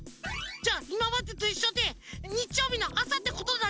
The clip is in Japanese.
じゃあいままでといっしょでにちようびのあさってことだね！